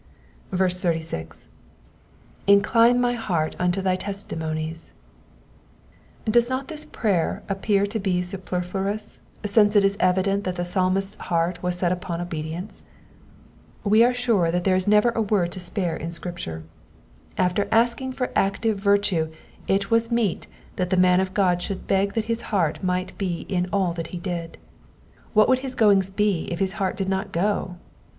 86. ^^ Incline my heart unto thy testimonies,'*'^ Dbes not this prayer appear to be superfluous, since it is evident that the Psalmist's heart was set upon obedience ? We are sure that there is never a word to spare in Scripture. After asking for active virtue it was meet that the man of God should beg that his heart might be in all that he did. What would his goings be if his heart did not go